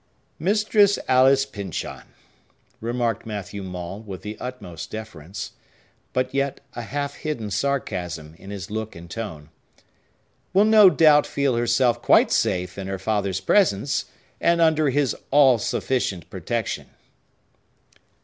"Mistress Alice Pyncheon," remarked Matthew Maule, with the utmost deference, but yet a half hidden sarcasm in his look and tone, "will no doubt feel herself quite safe in her father's presence, and under his all sufficient protection."